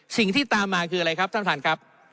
สิ่งที่ตามมาคืออะไรครับท่านท่านครับ